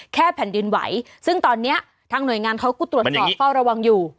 แผ่นดินไหวซึ่งตอนนี้ทางหน่วยงานเขาก็ตรวจสอบเฝ้าระวังอยู่